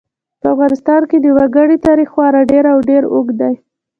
په افغانستان کې د وګړي تاریخ خورا ډېر او ډېر اوږد دی.